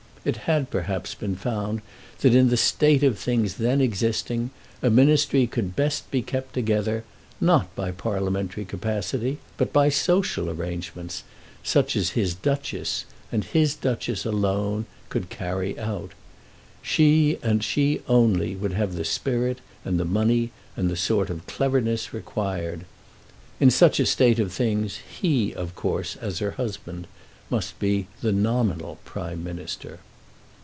It had, perhaps, been found that in the state of things then existing, a ministry could be best kept together, not by parliamentary capacity, but by social arrangements, such as his Duchess, and his Duchess alone, could carry out. She and she only would have the spirit and the money and the sort of cleverness required. In such a state of things he of course, as her husband, must be the nominal Prime Minister.